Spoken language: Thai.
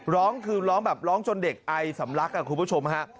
ร้องคือร้องแบบร้องจนเด็กไอสำลักคุณผู้ชมฮะ